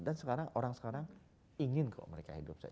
dan sekarang orang sekarang ingin kok mereka hidup sehat